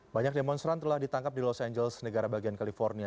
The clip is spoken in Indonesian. banyak demonstran telah ditangkap di los angeles negara bagian california